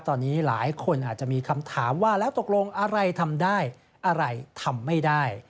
ตอนนี้หลายคนอาจจะมีคำถามว่าแล้วตกลงอะไรทำได้อะไรทำไม่ได้